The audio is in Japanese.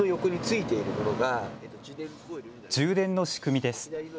充電の仕組みです。